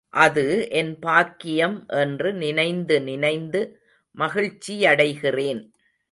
அது என் பாக்கியம் என்று நினைந்து நினைந்து மகிழ்ச்சியடைகிறேன்.